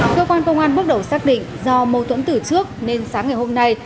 cơ quan công an bắt đầu xác định do mâu tuẫn từ trước nên sáng ngày hôm nay